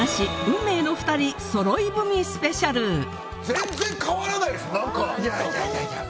全然変わらないですね